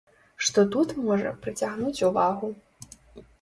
Што тут можа прыцягнуць увагу.